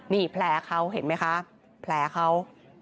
นี่แผลเขาเห็นไหมคะแผลเขา